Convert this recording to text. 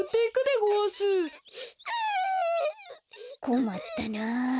こまったな。